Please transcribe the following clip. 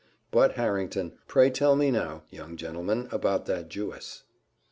But, Harrington, pray tell me now, young gentleman, about that Jewess."